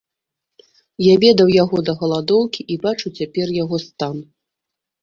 Я ведаў яго да галадоўкі і бачу цяпер яго стан.